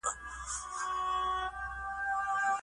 مینه وړیا ده خو ارزښت یې ډېر دی.